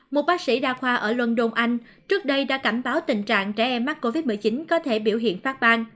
một bác sĩ đa khoa ở london anh trước đây đã cảnh báo tình trạng trẻ em mắc covid một mươi chín có thể biểu hiện phát bang